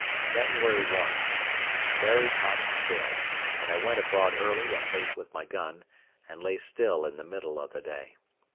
January 1.—Very hot still: but I went abroad early and late with my gun, and lay still in the middle of the day.